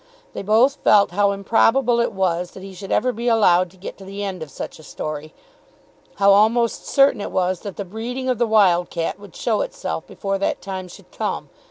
They both felt how improbable it was that he should ever be allowed to get to the end of such a story, how almost certain it was that the breeding of the wild cat would show itself before that time should come.